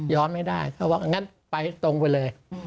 ไม่ได้เขาบอกงั้นไปตรงไปเลย